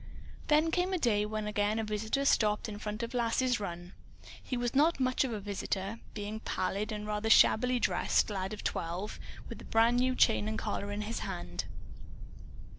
Then came a day when again a visitor stopped in front of Lass's run. He was not much of a visitor, being a pallid and rather shabbily dressed lad of twelve, with a brand new chain and collar in his hand.